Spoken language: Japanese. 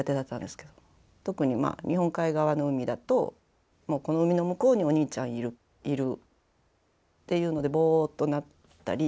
特に日本海側の海だとこの海の向こうにお兄ちゃんいるっていうのでぼっとなったり。